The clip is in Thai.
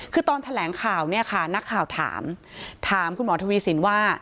คือตอนแถลงข่าวเนี่ยค่ะนักข่าวถามถามคุณหมอทวีสินว่า